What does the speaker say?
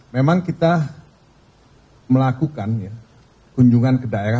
memang kita melakukan kunjungan ke daerah